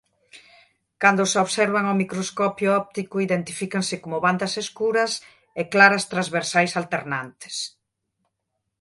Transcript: Cando se observan ao microscopio óptico identifícanse como bandas escuras e claras transversais alternantes.